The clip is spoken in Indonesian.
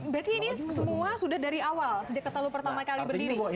berarti ini semua sudah dari awal sejak ketalu pertama kali berdiri